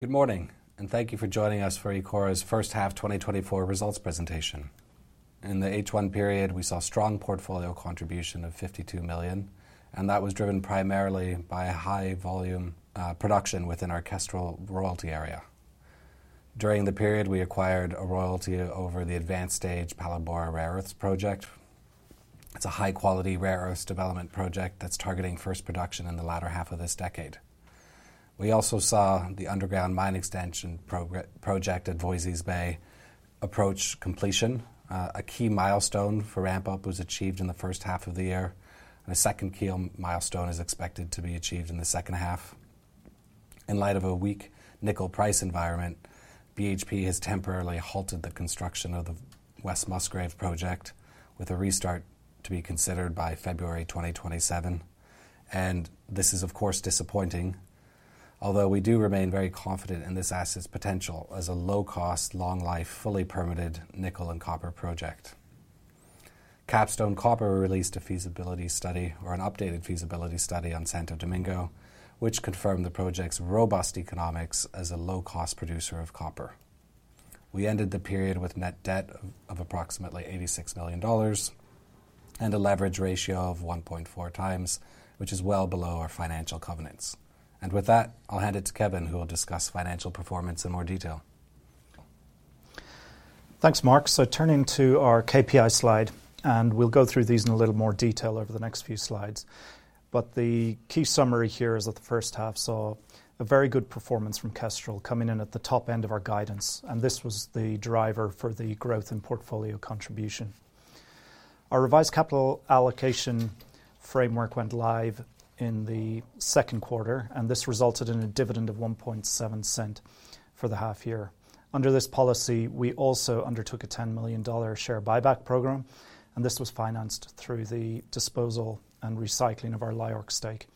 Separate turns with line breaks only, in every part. Good morning, and thank you for joining us for Ecora's first half 2024 results presentation. In the H1 period, we saw strong portfolio contribution of $52 million, and that was driven primarily by a high volume, production within our Kestrel royalty area. During the period, we acquired a royalty over the advanced stage Phalaborwa Rare Earths Project. It's a high-quality, rare earth development project that's targeting first production in the latter half of this decade. We also saw the underground mine extension project at Voisey's Bay approach completion. A key milestone for ramp-up was achieved in the first half of the year. The second key milestone is expected to be achieved in the second half. In light of a weak nickel price environment, BHP has temporarily halted the construction of the West Musgrave project, with a restart to be considered by February 2027. And this is, of course, disappointing, although we do remain very confident in this asset's potential as a low-cost, long-life, fully permitted nickel and copper project. Capstone Copper released a feasibility study or an updated feasibility study on Santo Domingo, which confirmed the project's robust economics as a low-cost producer of copper. We ended the period with net debt of approximately $86 million and a leverage ratio of 1.4x, which is well below our financial covenants. And with that, I'll hand it to Kevin, who will discuss financial performance in more detail.
Thanks, Marc. Turning to our KPI slide, and we'll go through these in a little more detail over the next few slides. The key summary here is that the first half saw a very good performance from Kestrel coming in at the top end of our guidance, and this was the driver for the growth and portfolio contribution. Our revised capital allocation framework went live in the second quarter, and this resulted in a dividend of $0.017 for the half year. Under this policy, we also undertook a $10 million share buyback program, and this was financed through the disposal and recycling of our LIORC stake.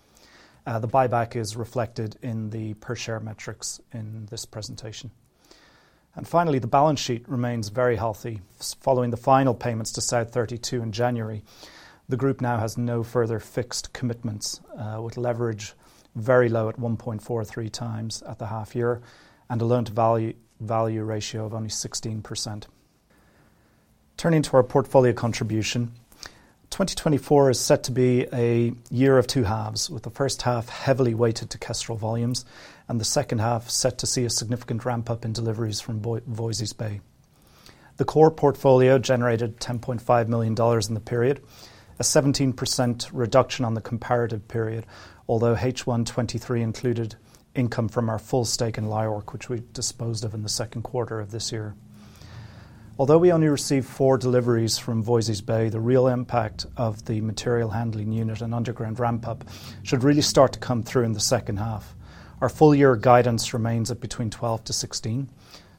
The buyback is reflected in the per share metrics in this presentation. Finally, the balance sheet remains very healthy. Following the final payments to South32 in January, the group now has no further fixed commitments, with leverage very low at 1.43x at the half year and a loan-to-value ratio of only 16%. Turning to our portfolio contribution, 2024 is set to be a year of two halves, with the first half heavily weighted to Kestrel volumes and the second half set to see a significant ramp-up in deliveries from Voisey's Bay. The core portfolio generated $10.5 million in the period, a 17% reduction on the comparative period, although H1 2023 included income from our full stake in LIORC, which we disposed of in the second quarter of this year. Although we only received four deliveries from Voisey's Bay, the real impact of the material handling unit and underground ramp-up should really start to come through in the second half. Our full year guidance remains at between 12-16,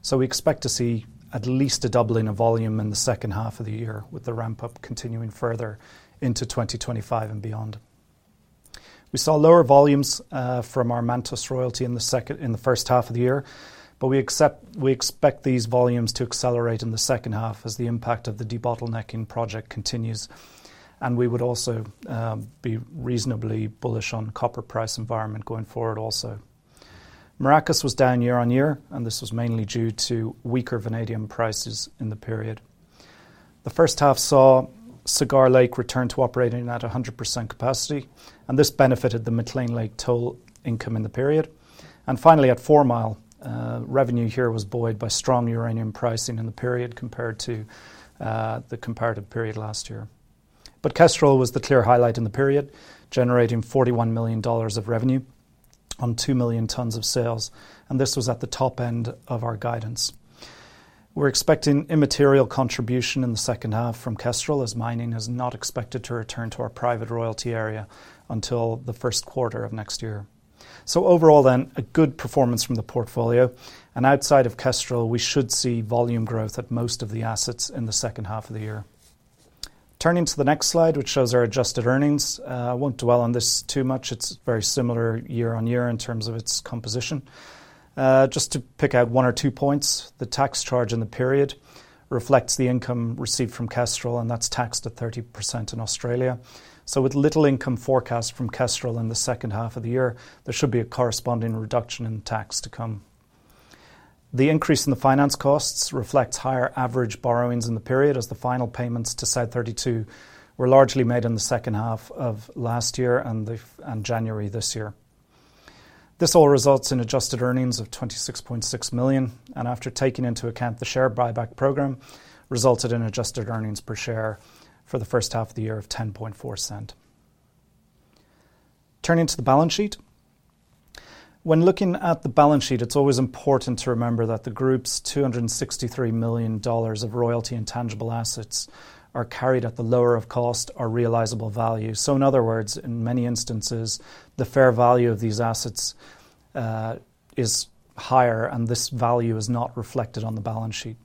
so we expect to see at least a doubling of volume in the second half of the year, with the ramp-up continuing further into 2025 and beyond. We saw lower volumes from our Mantos royalty in the first half of the year, but we expect these volumes to accelerate in the second half as the impact of the debottlenecking project continues, and we would also be reasonably bullish on copper price environment going forward also. Maracás was down year-on-year, and this was mainly due to weaker vanadium prices in the period. The first half saw Cigar Lake return to operating at 100% capacity, and this benefited the McClean Lake toll income in the period. And finally, at Four Mile, revenue here was buoyed by strong uranium pricing in the period compared to the comparative period last year. But Kestrel was the clear highlight in the period, generating $41 million of revenue on 2 million tons of sales, and this was at the top end of our guidance. We're expecting immaterial contribution in the second half from Kestrel, as mining is not expected to return to our private royalty area until the first quarter of next year. So overall, then, a good performance from the portfolio, and outside of Kestrel, we should see volume growth at most of the assets in the second half of the year. Turning to the next slide, which shows our adjusted earnings, I won't dwell on this too much. It's very similar year-on-year in terms of its composition. Just to pick out one or two points, the tax charge in the period reflects the income received from Kestrel, and that's taxed at 30% in Australia. So with little income forecast from Kestrel in the second half of the year, there should be a corresponding reduction in tax to come. The increase in the finance costs reflects higher average borrowings in the period, as the final payments to South32 were largely made in the second half of last year and January this year. This all results in adjusted earnings of $26.6 million, and after taking into account the share buyback program, resulted in adjusted earnings per share for the first half of the year of $0.104. Turning to the balance sheet. When looking at the balance sheet, it's always important to remember that the group's $263 million of royalty and tangible assets are carried at the lower of cost or realizable value. So in other words, in many instances, the fair value of these assets is higher, and this value is not reflected on the balance sheet.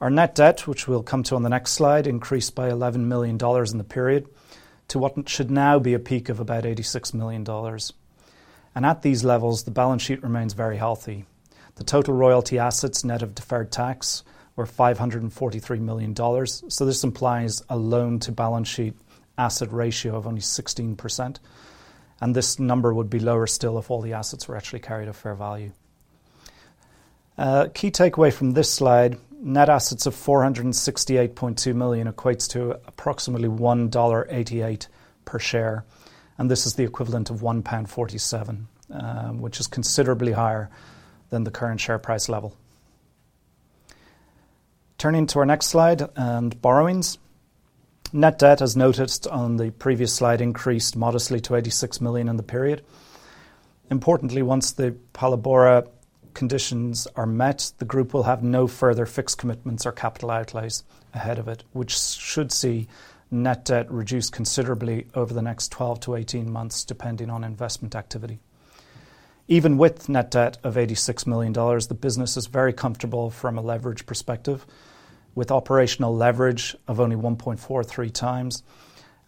Our net debt, which we'll come to on the next slide, increased by $11 million in the period to what should now be a peak of about $86 million. And at these levels, the balance sheet remains very healthy. The total royalty assets, net of deferred tax, were $543 million. So this implies a loan-to-balance sheet asset ratio of only 16%, and this number would be lower still if all the assets were actually carried at fair value. Key takeaway from this slide, net assets of $468.2 million equates to approximately $1.88 per share, and this is the equivalent of 1.47 pound, which is considerably higher than the current share price level. Turning to our next slide and borrowings. Net debt, as noted on the previous slide, increased modestly to $86 million in the period. Importantly, once the Phalaborwa conditions are met, the group will have no further fixed commitments or capital outlays ahead of it, which should see net debt reduce considerably over the next 12-18 months, depending on investment activity. Even with net debt of $86 million, the business is very comfortable from a leverage perspective, with operational leverage of only 1.43x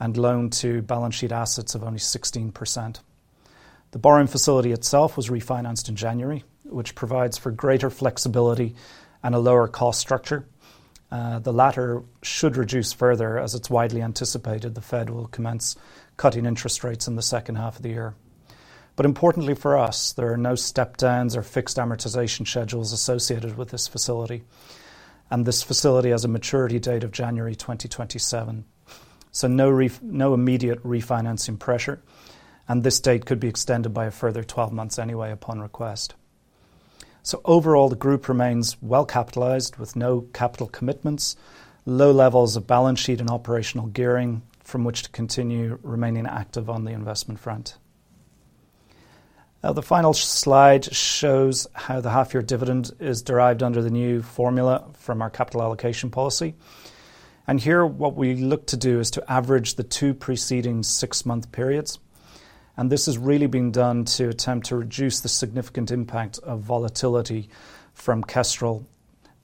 and loan to balance sheet assets of only 16%. The borrowing facility itself was refinanced in January, which provides for greater flexibility and a lower cost structure. The latter should reduce further, as it's widely anticipated the Fed will commence cutting interest rates in the second half of the year. But importantly for us, there are no step downs or fixed amortization schedules associated with this facility, and this facility has a maturity date of January 2027. So no immediate refinancing pressure, and this date could be extended by a further 12 months anyway upon request. So overall, the group remains well-capitalized, with no capital commitments, low levels of balance sheet and operational gearing from which to continue remaining active on the investment front. Now, the final slide shows how the half-year dividend is derived under the new formula from our capital allocation policy. And here, what we look to do is to average the two preceding six-month periods, and this is really being done to attempt to reduce the significant impact of volatility from Kestrel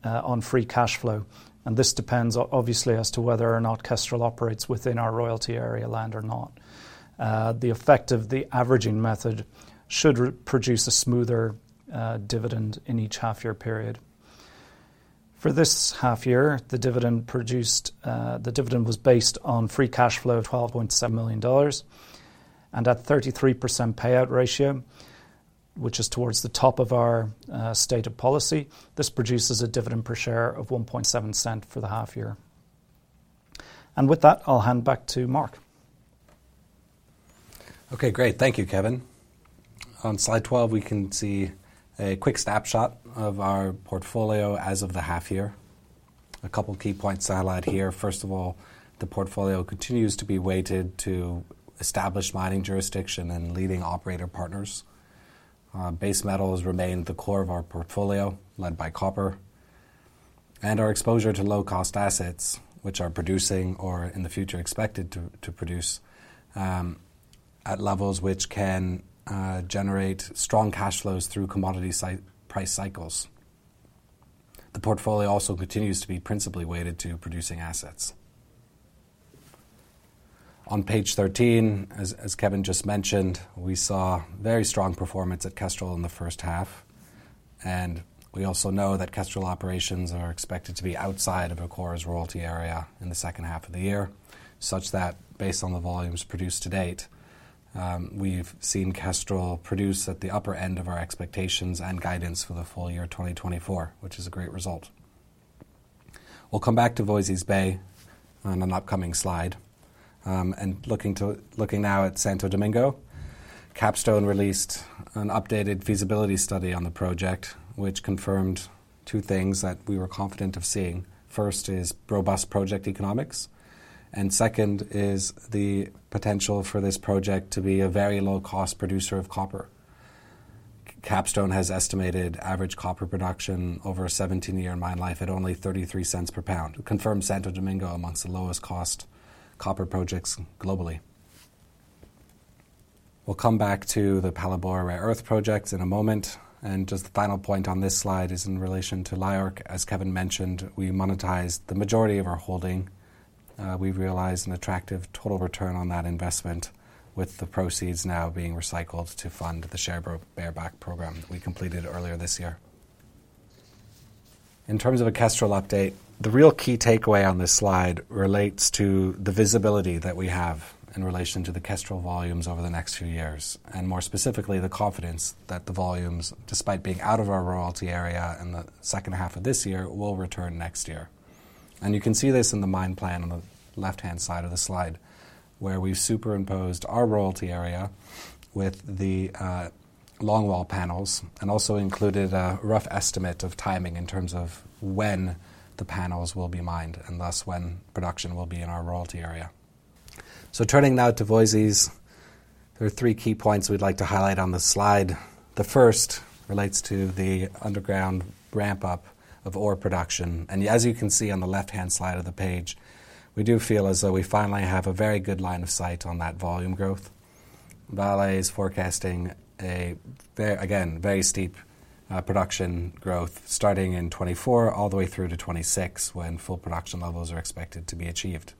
on free cash flow. And this depends obviously as to whether or not Kestrel operates within our royalty area land or not. The effect of the averaging method should produce a smoother dividend in each half-year period. For this half year, the dividend produced, the dividend was based on free cash flow of $12.7 million, and at 33% payout ratio, which is towards the top of our stated policy, this produces a dividend per share of $0.017 for the half year, and with that, I'll hand back to Marc.
Okay, great. Thank you, Kevin. On slide 12, we can see a quick snapshot of our portfolio as of the half year. A couple key points to highlight here. First of all, the portfolio continues to be weighted to established mining jurisdictions and leading operator partners. Base metals remain the core of our portfolio, led by copper, and our exposure to low-cost assets, which are producing or in the future expected to produce, at levels which can generate strong cash flows through commodity price cycles. The portfolio also continues to be principally weighted to producing assets. On page 13, as Kevin just mentioned, we saw very strong performance at Kestrel in the first half, and we also know that Kestrel operations are expected to be outside of Ecora's royalty area in the second half of the year, such that based on the volumes produced to date, we've seen Kestrel produce at the upper end of our expectations and guidance for the full year 2024, which is a great result. We'll come back to Voisey's Bay on an upcoming slide. And looking now at Santo Domingo, Capstone released an updated feasibility study on the project, which confirmed two things that we were confident of seeing. First is robust project economics, and second is the potential for this project to be a very low-cost producer of copper. Capstone has estimated average copper production over a 17-year mine life at only $0.33 per pound, confirms Santo Domingo among the lowest cost copper projects globally. We'll come back to the Phalaborwa Rare Earth projects in a moment, and just the final point on this slide is in relation to LIORC. As Kevin mentioned, we monetized the majority of our holding. We've realized an attractive total return on that investment, with the proceeds now being recycled to fund the share buyback program that we completed earlier this year. In terms of a Kestrel update, the real key takeaway on this slide relates to the visibility that we have in relation to the Kestrel volumes over the next few years, and more specifically, the confidence that the volumes, despite being out of our royalty area in the second half of this year, will return next year. You can see this in the mine plan on the left-hand side of the slide, where we've superimposed our royalty area with the longwall panels, and also included a rough estimate of timing in terms of when the panels will be mined, and thus when production will be in our royalty area. Turning now to Voisey's, there are three key points we'd like to highlight on this slide. The first relates to the underground ramp up of ore production, and as you can see on the left-hand side of the page, we do feel as though we finally have a very good line of sight on that volume growth. Vale is forecasting again, very steep production growth starting in 2024 all the way through to 2026, when full production levels are expected to be achieved.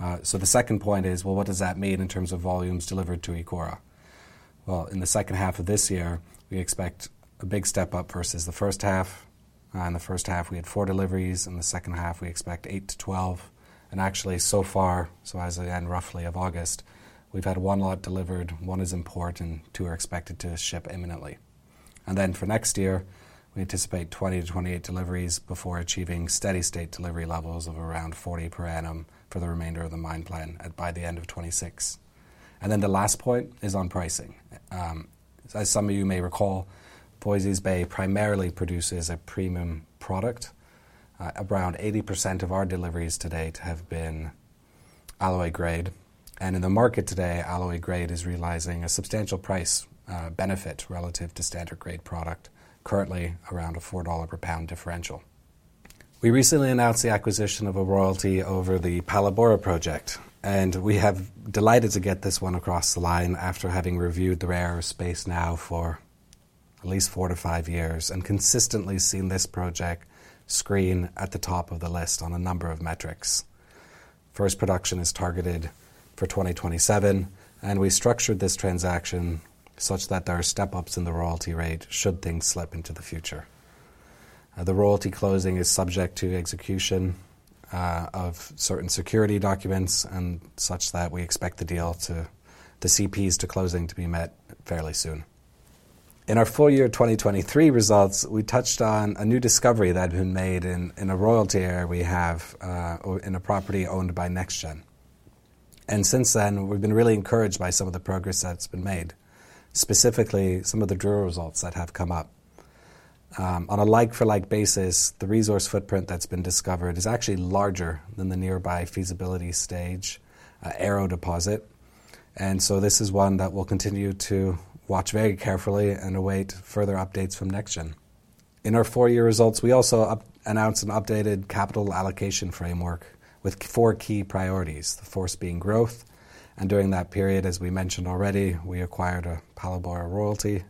The second point is, well, what does that mean in terms of volumes delivered to Ecora? Well, in the second half of this year, we expect a big step-up versus the first half. In the first half, we had four deliveries. In the second half, we expect 8-12. And actually so far as of the end, roughly, of August, we've had one lot delivered, one is in port, and two are expected to ship imminently. And then for next year, we anticipate 20-28 deliveries before achieving steady state delivery levels of around 40 per annum for the remainder of the mine plan by the end of 2026. And then the last point is on pricing. As some of you may recall, Voisey's Bay primarily produces a premium product. Around 80% of our deliveries to date have been alloy grade, and in the market today, alloy grade is realizing a substantial price benefit relative to standard grade product, currently around a $4 per pound differential. We recently announced the acquisition of a royalty over the Phalaborwa project, and we're delighted to get this one across the line after having reviewed the rare earth space now for at least four to five years, and consistently seen this project screen at the top of the list on a number of metrics. First production is targeted for 2027, and we structured this transaction such that there are step-ups in the royalty rate should things slip into the future. The royalty closing is subject to execution of certain security documents and such that we expect the deal to the CPs to closing to be met fairly soon. In our full year 2023 results, we touched on a new discovery that had been made in a royalty area we have in a property owned by NexGen. Since then, we've been really encouraged by some of the progress that's been made, specifically some of the drill results that have come up. On a like-for-like basis, the resource footprint that's been discovered is actually larger than the nearby feasibility stage Arrow deposit. So this is one that we'll continue to watch very carefully and await further updates from NexGen. In our full year results, we also announced an updated capital allocation framework with four key priorities, the first being growth. During that period, as we mentioned already, we acquired a Phalaborwa royalty.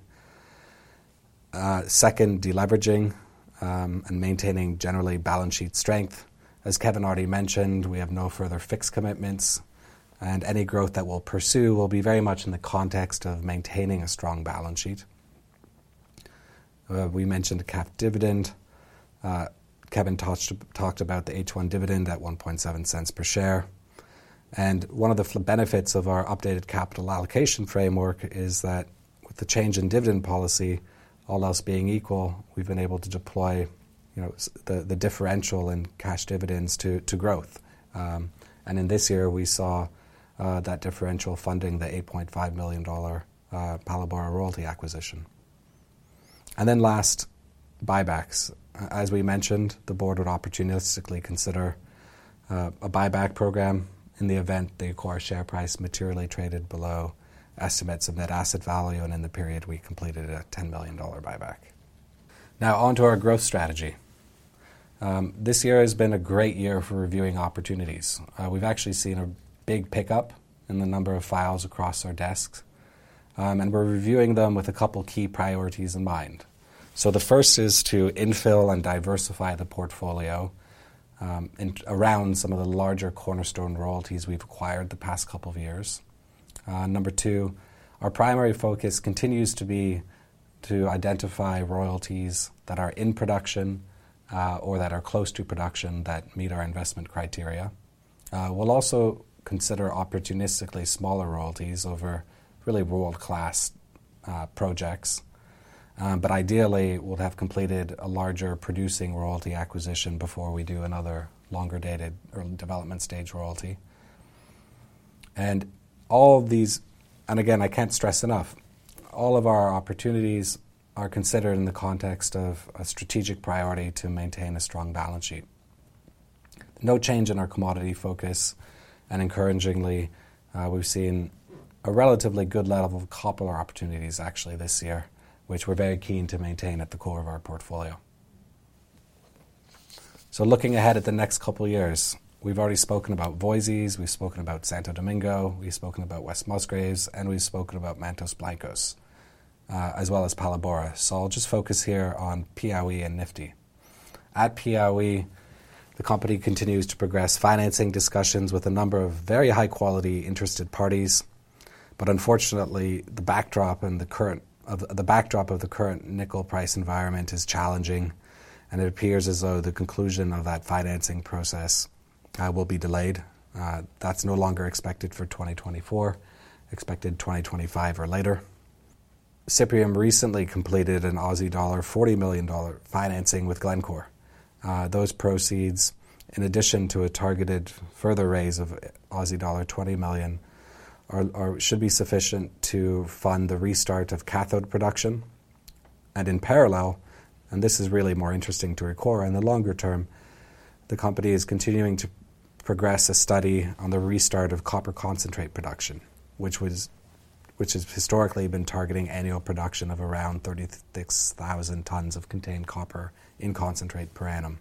Second, de-leveraging, and maintaining generally balance sheet strength. As Kevin already mentioned, we have no further fixed commitments, and any growth that we'll pursue will be very much in the context of maintaining a strong balance sheet. We mentioned the cap dividend. Kevin touched, talked about the H1 dividend at $0.017 per share. One of the benefits of our updated capital allocation framework is that with the change in dividend policy, all else being equal, we've been able to deploy, you know, the differential in cash dividends to growth. And in this year, we saw that differential funding the $8.5 million Phalaborwa royalty acquisition. Then last, buybacks. As we mentioned, the board would opportunistically consider a buyback program in the event the Ecora share price materially traded below estimates of net asset value, and in the period, we completed a $10 million buyback. Now on to our growth strategy. This year has been a great year for reviewing opportunities. We've actually seen a big pickup in the number of files across our desks, and we're reviewing them with a couple key priorities in mind. So the first is to infill and diversify the portfolio around some of the larger cornerstone royalties we've acquired the past couple of years. Number two, our primary focus continues to be to identify royalties that are in production or that are close to production that meet our investment criteria. We'll also consider opportunistically smaller royalties over really world-class projects. But ideally, we'll have completed a larger producing royalty acquisition before we do another longer-dated or development stage royalty. And all of these... And again, I can't stress enough, all of our opportunities are considered in the context of a strategic priority to maintain a strong balance sheet. No change in our commodity focus, and encouragingly, we've seen a relatively good level of copper opportunities actually this year, which we're very keen to maintain at the core of our portfolio. So looking ahead at the next couple of years, we've already spoken about Voisey's, we've spoken about Santo Domingo, we've spoken about West Musgrave, and we've spoken about Mantos Blancos, as well as Phalaborwa. So I'll just focus here on Piauí and Nifty. At Piauí, the company continues to progress financing discussions with a number of very high-quality interested parties. But unfortunately, the backdrop of the current nickel price environment is challenging, and it appears as though the conclusion of that financing process will be delayed. That's no longer expected for 2024, expected 2025 or later. Cyprium recently completed an Aussie dollar 40 million financing with Glencore. Those proceeds, in addition to a targeted further raise of Aussie dollar 20 million, should be sufficient to fund the restart of cathode production. And in parallel, and this is really more interesting to Ecora, in the longer term, the company is continuing to progress a study on the restart of copper concentrate production, which has historically been targeting annual production of around 36,000 tons of contained copper in concentrate per annum.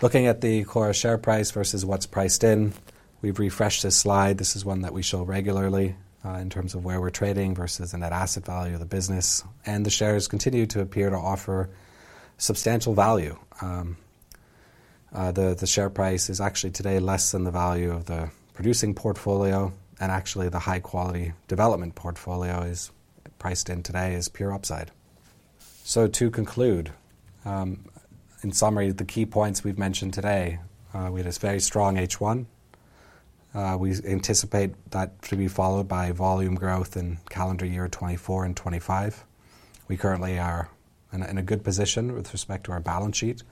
Looking at the Ecora share price versus what's priced in, we've refreshed this slide. This is one that we show regularly in terms of where we're trading versus the net asset value of the business, and the shares continue to appear to offer substantial value. The share price is actually today less than the value of the producing portfolio, and actually, the high-quality development portfolio is priced in today as pure upside. So to conclude, in summary, the key points we've mentioned today, we had a very strong H1. We anticipate that to be followed by volume growth in calendar year 2024 and 2025. We currently are in a good position with respect to our balance sheet.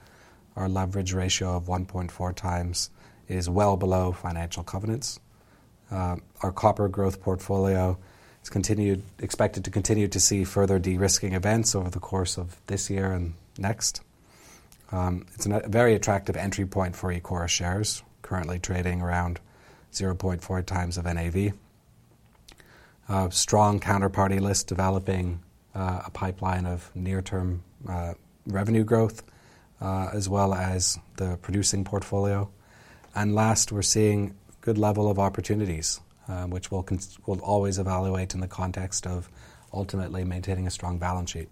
Our leverage ratio of 1.4x is well below financial covenants. Our copper growth portfolio expected to continue to see further de-risking events over the course of this year and next. It's a very attractive entry point for Ecora shares, currently trading around 0.4x NAV. A strong counterparty list, developing a pipeline of near-term revenue growth, as well as the producing portfolio. And last, we're seeing good level of opportunities, which we'll always evaluate in the context of ultimately maintaining a strong balance sheet.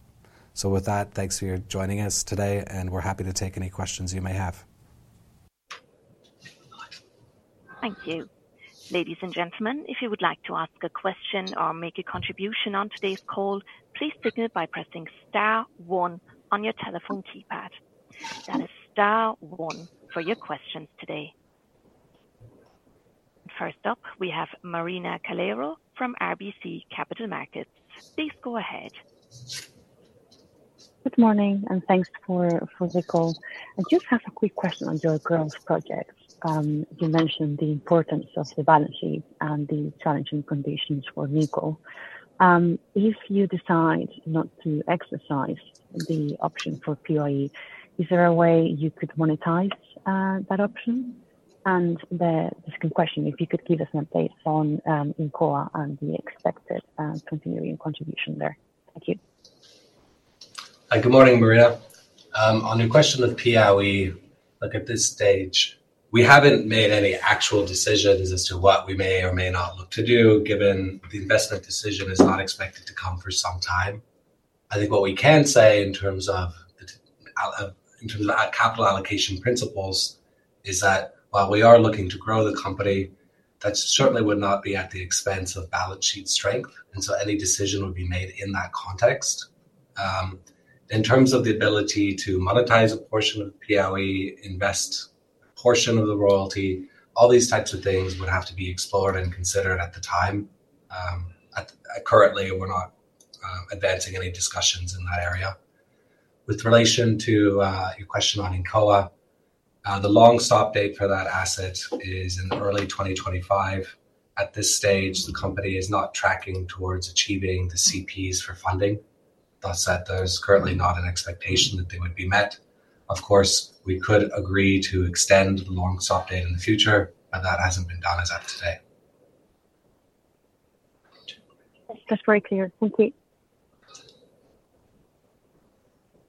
So with that, thanks for your joining us today, and we're happy to take any questions you may have.
Thank you. Ladies and gentlemen, if you would like to ask a question or make a contribution on today's call, please signal by pressing star one on your telephone keypad. That is star one for your questions today. First up, we have Marina Calero from RBC Capital Markets. Please go ahead.
Good morning, and thanks for the call. I just have a quick question on your growth projects. You mentioned the importance of the balance sheet and the challenging conditions for nickel. If you decide not to exercise the option for Piauí, is there a way you could monetize that option? And the second question, if you could give us an update on Incoa and the expected continuing contribution there. Thank you.
Hi, good morning, Marina. On your question of Piauí, look, at this stage, we haven't made any actual decisions as to what we may or may not look to do, given the investment decision is not expected to come for some time. I think what we can say in terms of our capital allocation principles, is that while we are looking to grow the company, that certainly would not be at the expense of balance sheet strength, and so any decision would be made in that context. In terms of the ability to monetize a portion of Piauí, invest a portion of the royalty, all these types of things would have to be explored and considered at the time. Currently, we're not advancing any discussions in that area. With relation to your question on Incoa, the long stop date for that asset is in early 2025. At this stage, the company is not tracking towards achieving the CPs for funding, thus that there's currently not an expectation that they would be met. Of course, we could agree to extend the long stop date in the future, but that hasn't been done as of today.
That's very clear. Thank you.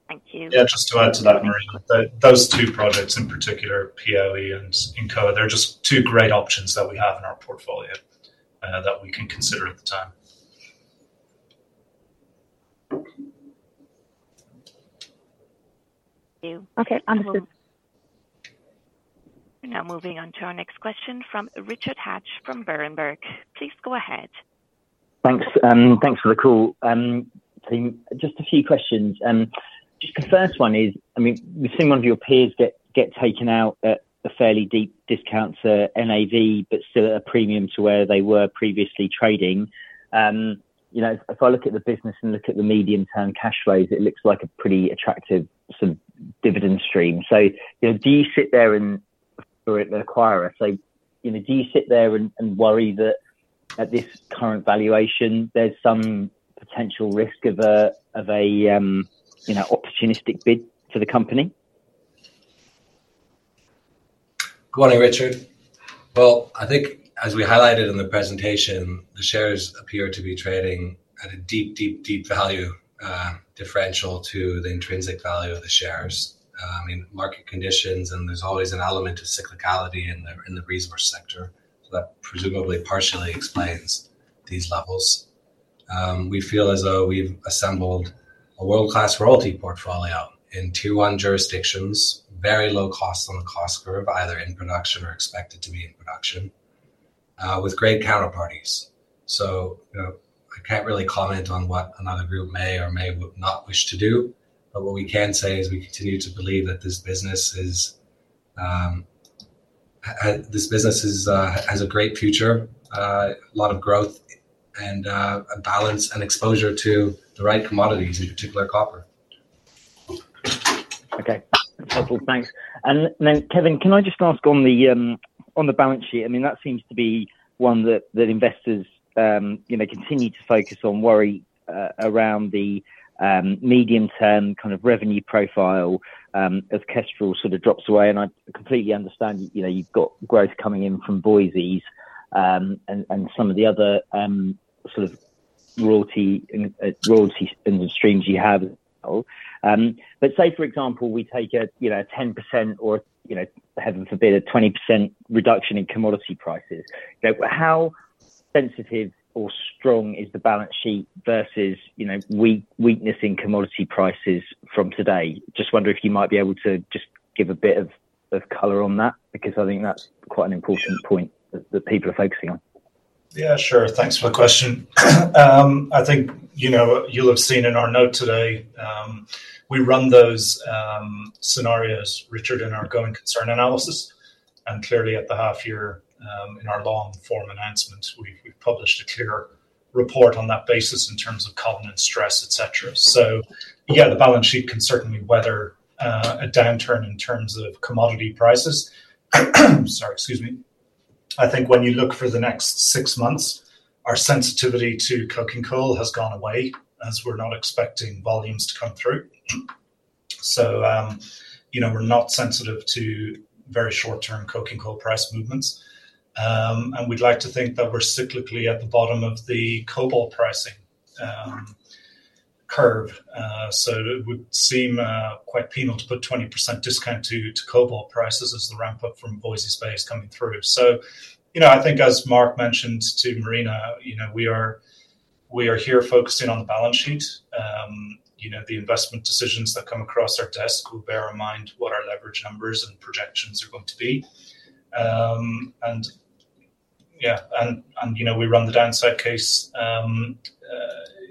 Thank you.
Yeah, just to add to that, Marina, those two projects, in particular, Piauí and Incoa, they're just two great options that we have in our portfolio that we can consider at the time.
Thank you.
Okay, understood.
We're now moving on to our next question from Richard Hatch from Berenberg. Please go ahead.
Thanks, thanks for the call. So just a few questions. Just the first one is, I mean, we've seen one of your peers get taken out at a fairly deep discount to NAV, but still at a premium to where they were previously trading. You know, if I look at the business and look at the medium-term cash flows, it looks like a pretty attractive sort of dividend stream. So, you know, do you sit there and, or an acquirer, so, you know, do you sit there and worry that at this current valuation, there's some potential risk of a opportunistic bid for the company?
Good morning, Richard. I think as we highlighted in the presentation, the shares appear to be trading at a deep, deep, deep value differential to the intrinsic value of the shares. I mean, market conditions, and there's always an element of cyclicality in the resource sector, so that presumably partially explains these levels. We feel as though we've assembled a world-class royalty portfolio in tier one jurisdictions, very low cost on the cost curve, either in production or expected to be in production, with great counterparties. So, you know, I can't really comment on what another group may or may not wish to do, but what we can say is we continue to believe that this business has a great future, a lot of growth and a balance and exposure to the right commodities, in particular, copper.
Okay. Helpful, thanks. And then, Kevin, can I just ask on the, on the balance sheet, I mean, that seems to be one that, that investors, you know, continue to focus on, worry around the, medium-term kind of revenue profile, as Kestrel sort of drops away, and I completely understand, you know, you've got growth coming in from Voisey's, and, and some of the other, sort of royalty, royalty streams you have as well. But say, for example, we take a, you know, a 10% or, you know, heaven forbid, a 20% reduction in commodity prices, you know, how sensitive or strong is the balance sheet versus, you know, weakness in commodity prices from today? Just wonder if you might be able to just give a bit of color on that, because I think that's quite an important point that people are focusing on.
Yeah, sure. Thanks for the question. I think, you know, you'll have seen in our note today, we run those scenarios, Richard, in our going concern analysis, and clearly at the half year, in our long form announcements, we've published a clear report on that basis in terms of covenant stress, et cetera. So yeah, the balance sheet can certainly weather a downturn in terms of commodity prices. Sorry, excuse me. I think when you look for the next six months, our sensitivity to coking coal has gone away, as we're not expecting volumes to come through. So, you know, we're not sensitive to very short-term coking coal price movements. And we'd like to think that we're cyclically at the bottom of the cobalt pricing curve. So it would seem quite penal to put 20% discount to cobalt prices as the ramp up from Voisey's Bay is coming through. You know, I think as Marc mentioned to Marina, you know, we are here focusing on the balance sheet. You know, the investment decisions that come across our desk will bear in mind what our leverage numbers and projections are going to be. And yeah, you know, we run the downside case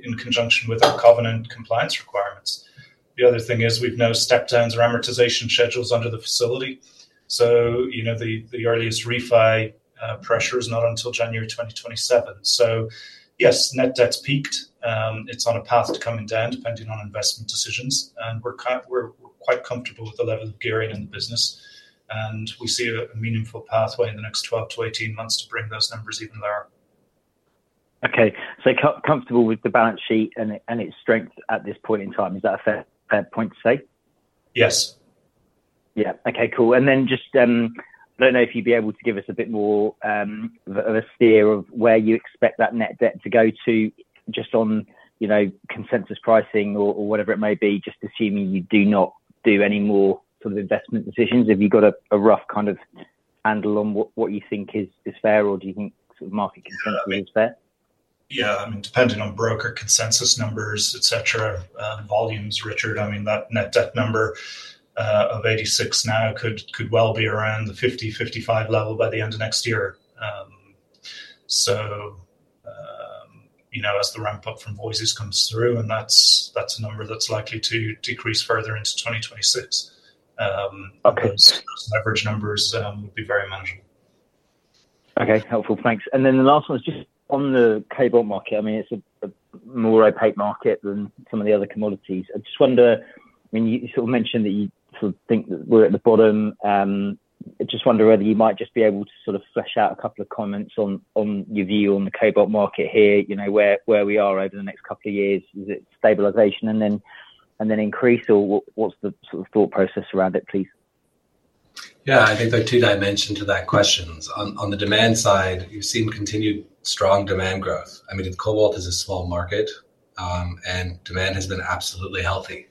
in conjunction with our covenant compliance requirements. The other thing is we've no step downs or amortization schedules under the facility, so you know, the earliest refi pressure is not until January 2027. So yes, net debt's peaked. It's on a path to coming down, depending on investment decisions, and we're quite comfortable with the level of gearing in the business, and we see a meaningful pathway in the next twelve to eighteen months to bring those numbers even lower.
Okay. So comfortable with the balance sheet and its strength at this point in time, is that a fair point to say?
Yes.
Yeah. Okay, cool. And then just, I don't know if you'd be able to give us a bit more of a steer of where you expect that net debt to go to, just on, you know, consensus pricing or, or whatever it may be, just assuming you do not do any more sort of investment decisions. Have you got a rough kind of handle on what you think is fair, or do you think sort of market consensus is fair?
Yeah, I mean, depending on broker consensus numbers, et cetera, volumes, Richard, I mean, that net debt number of 86 now could, could well be around the 50-55 level by the end of next year. So, you know, as the ramp up from Voisey's comes through, and that's, that's a number that's likely to decrease further into 2026.
Okay.
Those leverage numbers would be very manageable.
Okay. Helpful. Thanks. And then the last one is just on the cobalt market. I mean, it's a more opaque market than some of the other commodities. I just wonder, I mean, you sort of mentioned that you sort of think that we're at the bottom. I just wonder whether you might just be able to sort of flesh out a couple of comments on your view on the cobalt market here, you know, where we are over the next couple of years. Is it stabilization and then increase, or what's the sort of thought process around it, please?
Yeah, I think there are two dimensions to that question. On the demand side, you've seen continued strong demand growth. I mean, cobalt is a small market, and demand has been absolutely healthy.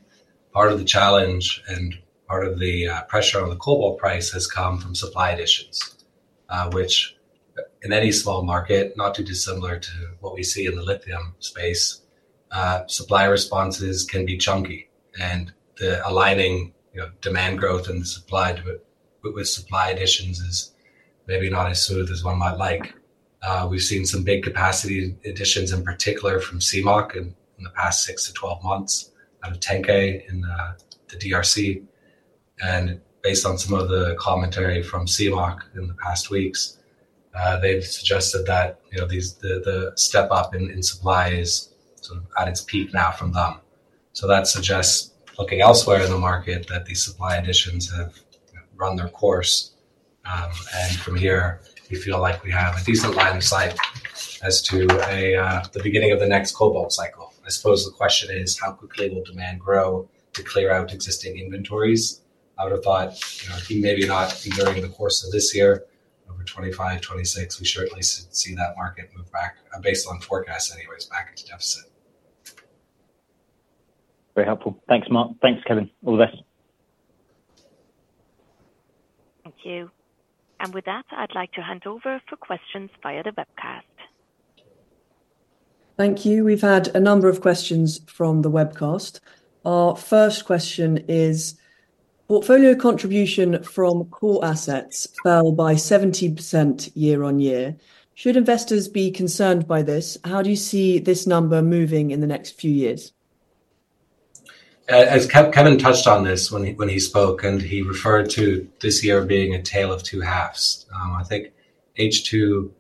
Part of the challenge and part of the pressure on the cobalt price has come from supply additions, which in any small market, not too dissimilar to what we see in the lithium space, supply responses can be chunky, and the aligning, you know, demand growth and the supply to it with supply additions is maybe not as smooth as one might like. We've seen some big capacity additions, in particular from CMOC in the past six to 12 months, out of Tenke in the DRC. Based on some of the commentary from CMOC in the past weeks, they've suggested that, you know, these, the step up in supply is sort of at its peak now from them. So that suggests looking elsewhere in the market, that these supply additions have run their course. And from here, we feel like we have a decent line of sight as to the beginning of the next cobalt cycle. I suppose the question is, how quickly will demand grow to clear out existing inventories? I would have thought, you know, maybe not during the course of this year. Over 2025, 2026, we should at least see that market move back, based on forecasts anyways, back into deficit.
Very helpful. Thanks, Marc. Thanks, Kevin. All the best.
Thank you. And with that, I'd like to hand over for questions via the webcast.
Thank you. We've had a number of questions from the webcast. Our first question is: Portfolio contribution from core assets fell by 70% year-on-year. Should investors be concerned by this? How do you see this number moving in the next few years?
As Kevin touched on this when he spoke, and he referred to this year being a tale of two halves. I think H2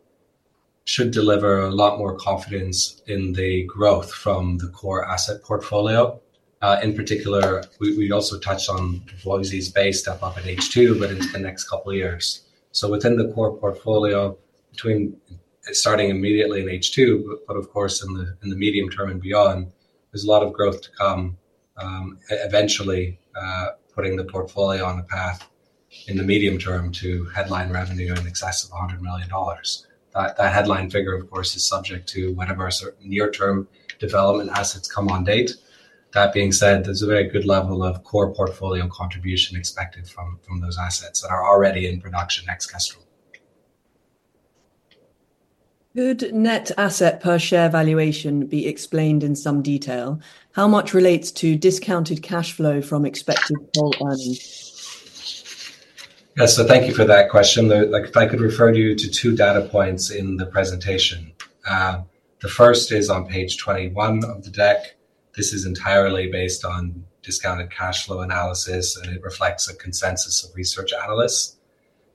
should deliver a lot more confidence in the growth from the core asset portfolio. In particular, we also touched on Voisey's Bay step-up at H2, but into the next couple of years. So within the core portfolio, between starting immediately in H2, but of course, in the medium term and beyond, there's a lot of growth to come, eventually putting the portfolio on a path in the medium term to headline revenue in excess of $100 million. That headline figure, of course, is subject to whenever our certain near-term development assets come online. That being said, there's a very good level of core portfolio contribution expected from those assets that are already in production, next Kestrel....
Could net asset value per share valuation be explained in some detail? How much relates to discounted cash flow from expected coal earnings?
Yeah, so thank you for that question. Though, like, if I could refer you to two data points in the presentation. The first is on page 21 of the deck. This is entirely based on discounted cash flow analysis, and it reflects a consensus of research analysts.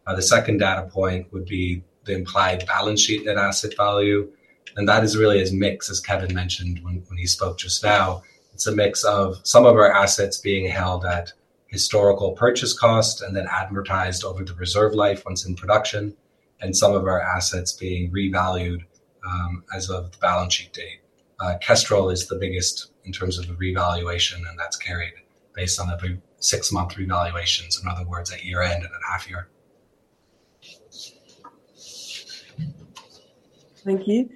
The second data point would be the implied balance sheet net asset value, and that is really a mix, as Kevin mentioned when he spoke just now. It's a mix of some of our assets being held at historical purchase cost and then amortized over the reserve life once in production, and some of our assets being revalued, as of the balance sheet date. Kestrel is the biggest in terms of the revaluation, and that's carried based on a six-month revaluations. In other words, at year-end and at half-year.
Thank you.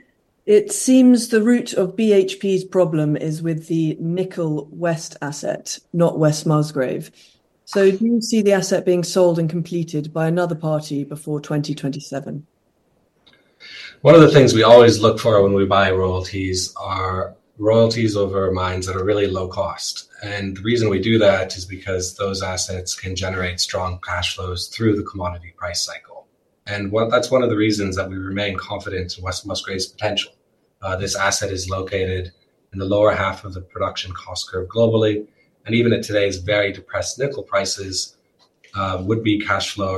It seems the root of BHP's problem is with the Nickel West asset, not West Musgrave. So do you see the asset being sold and completed by another party before 2027?
One of the things we always look for when we buy royalties are royalties over mines that are really low cost, and the reason we do that is because those assets can generate strong cash flows through the commodity price cycle. That's one of the reasons that we remain confident in West Musgrave's potential. This asset is located in the lower half of the production cost curve globally, and even at today's very depressed nickel prices, would be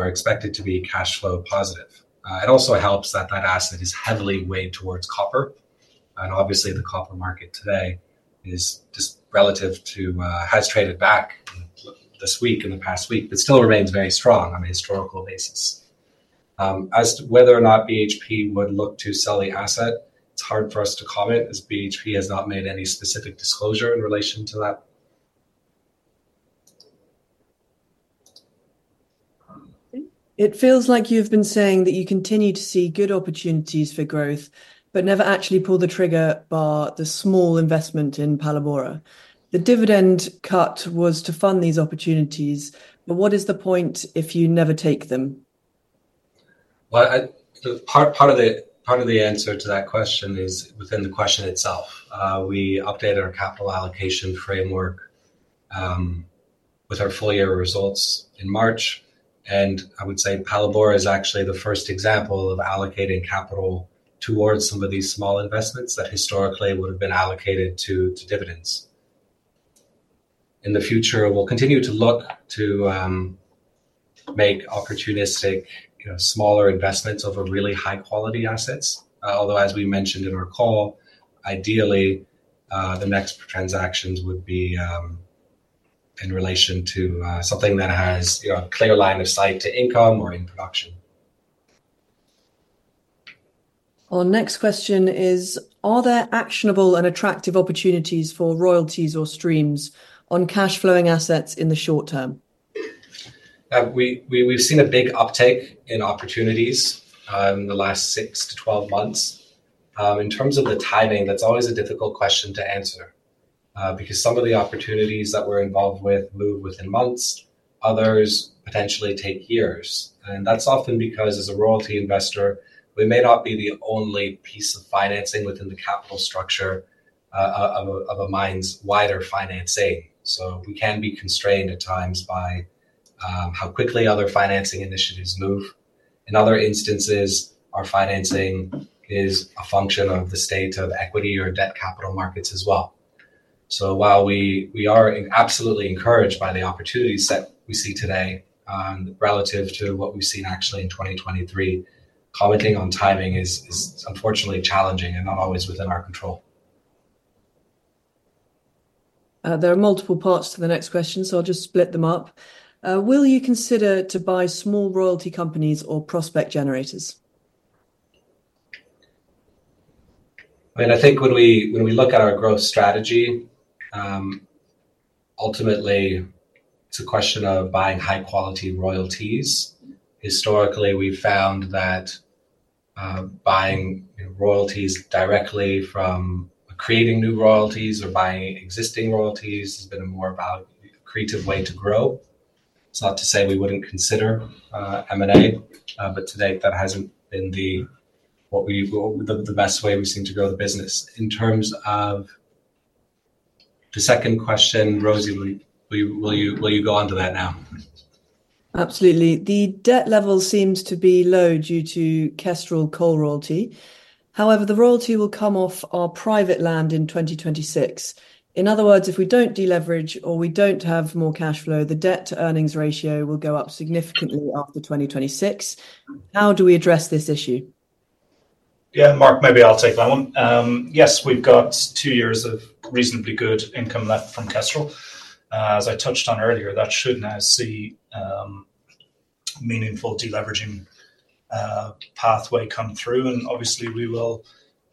expected to be cash flow positive. It also helps that asset is heavily weighted towards copper, and obviously, the copper market today is just relative to, has traded back this week, in the past week, but still remains very strong on a historical basis. As to whether or not BHP would look to selling the asset, it's hard for us to comment, as BHP has not made any specific disclosure in relation to that.
It feels like you've been saying that you continue to see good opportunities for growth but never actually pulled the trigger, bar the small investment in Phalaborwa. The dividend cut was to fund these opportunities, but what is the point if you never take them?
The part of the answer to that question is within the question itself. We updated our capital allocation framework with our full year results in March, and I would say Phalaborwa is actually the first example of allocating capital towards some of these small investments that historically would've been allocated to dividends. In the future, we'll continue to look to make opportunistic, you know, smaller investments over really high-quality assets. Although, as we mentioned in our call, ideally, the next transactions would be in relation to something that has, you know, a clear line of sight to income or in production.
Our next question is: Are there actionable and attractive opportunities for royalties or streams on cash-flowing assets in the short term?
We've seen a big uptake in opportunities in the last six to 12 months. In terms of the timing, that's always a difficult question to answer because some of the opportunities that we're involved with move within months, others potentially take years, and that's often because, as a royalty investor, we may not be the only piece of financing within the capital structure of a mine's wider financing. So we can be constrained at times by how quickly other financing initiatives move. In other instances, our financing is a function of the state of equity or debt capital markets as well. So while we are absolutely encouraged by the opportunities that we see today, relative to what we've seen actually in 2023, commenting on timing is unfortunately challenging and not always within our control.
There are multiple parts to the next question, so I'll just split them up. Will you consider to buy small royalty companies or prospect generators?
I mean, I think when we look at our growth strategy, ultimately it's a question of buying high-quality royalties. Historically, we've found that buying royalties directly from creating new royalties or buying existing royalties has been a more creative way to grow. It's not to say we wouldn't consider M&A, but to date, that hasn't been the best way we seem to grow the business. In terms of the second question, Rosie, will you go onto that now?
Absolutely. The debt level seems to be low due to Kestrel coal royalty. However, the royalty will come off our private land in 2026. In other words, if we don't deleverage or we don't have more cash flow, the debt-to-earnings ratio will go up significantly after 2026. How do we address this issue?
Yeah, Marc, maybe I'll take that one. Yes, we've got two years of reasonably good income left from Kestrel. As I touched on earlier, that should now see meaningful deleveraging pathway come through, and obviously, we will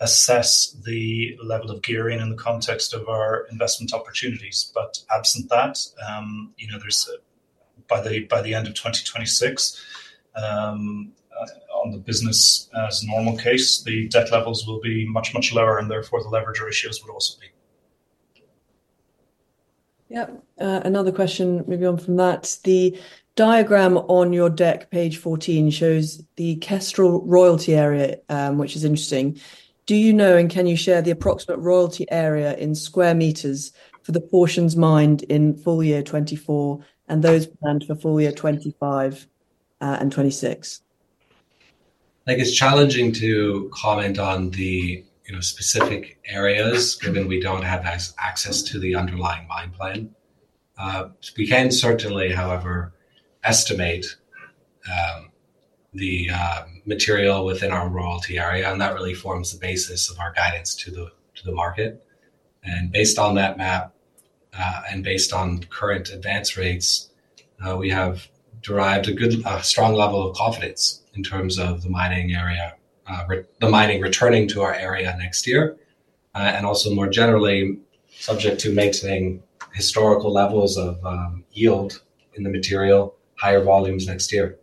assess the level of gearing in the context of our investment opportunities. But absent that, you know, there's by the end of 2026, on the business as a normal case, the debt levels will be much, much lower, and therefore, the leverage ratios would also be-...
Yep, another question maybe on from that. The diagram on your deck, page 14, shows the Kestrel royalty area, which is interesting. Do you know, and can you share the approximate royalty area in square meters for the portions mined in full year 2024, and those planned for full year 2025, and 2026?
I think it's challenging to comment on the, you know, specific areas, given we don't have access to the underlying mine plan. We can certainly, however, estimate the material within our royalty area, and that really forms the basis of our guidance to the market. Based on that map, and based on current advance rates, we have derived a good, a strong level of confidence in terms of the mining area, the mining returning to our area next year. Also more generally, subject to maintaining historical levels of yield in the material, higher volumes next year.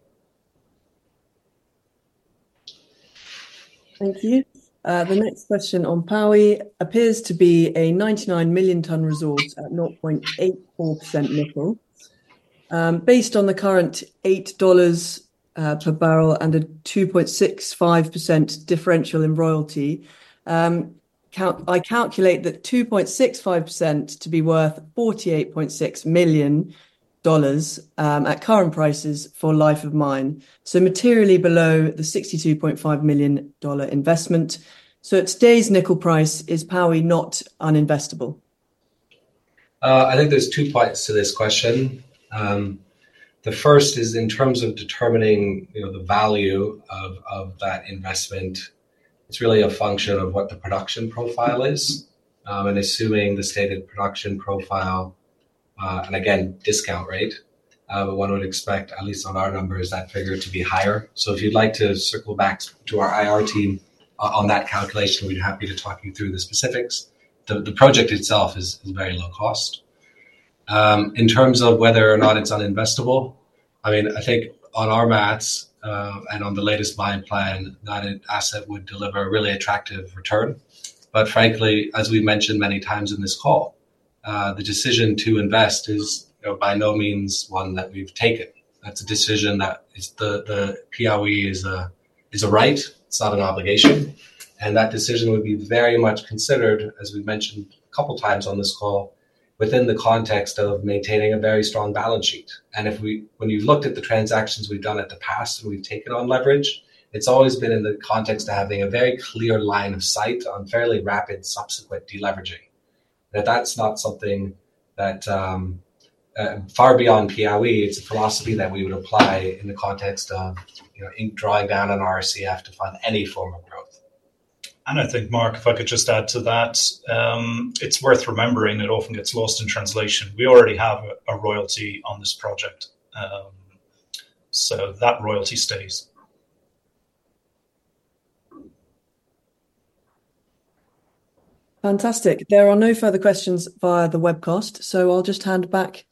Thank you. The next question on Piauí appears to be a 99 million ton resource at 0.84% nickel. Based on the current $8 per barrel and a 2.65% differential in royalty, I calculate that 2.65% to be worth $48.6 million at current prices for life of mine, so materially below the $62.5 million investment. So at today's nickel price, is Piauí not uninvestable?
I think there's two parts to this question. The first is in terms of determining, you know, the value of that investment. It's really a function of what the production profile is. And assuming the stated production profile, and again, discount rate, one would expect, at least on our numbers, that figure to be higher. So if you'd like to circle back to our IR team on that calculation, we'd be happy to talk you through the specifics. The project itself is very low cost. In terms of whether or not it's uninvestable, I mean, I think on our math, and on the latest mine plan, that asset would deliver a really attractive return. But frankly, as we've mentioned many times in this call, the decision to invest is, you know, by no means one that we've taken. That's a decision that is. The Piauí is a right, it's not an obligation, and that decision would be very much considered, as we've mentioned a couple of times on this call, within the context of maintaining a very strong balance sheet. And if we, when you've looked at the transactions we've done in the past, when we've taken on leverage, it's always been in the context of having a very clear line of sight on fairly rapid subsequent deleveraging. Now, that's not something that far beyond Piauí, it's a philosophy that we would apply in the context of, you know, Incoa drawing down an RCF to fund any form of growth.
I think, Marc, if I could just add to that. It's worth remembering, it often gets lost in translation. We already have a royalty on this project. So that royalty stays.
Fantastic. There are no further questions via the webcast, so I'll just hand back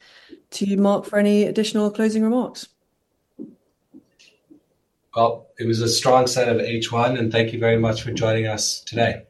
to you, Marc, for any additional closing remarks.
It was a strong set of H1, and thank you very much for joining us today.